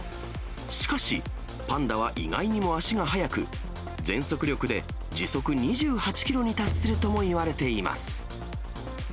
しかし、パンダは意外にも足が速く、全速力で時速２８キロに達するともいわれています。